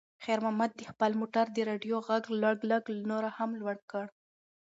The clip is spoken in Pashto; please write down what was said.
خیر محمد د خپل موټر د راډیو غږ لږ نور هم لوړ کړ.